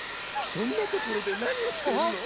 そんなところでなにをしてるの！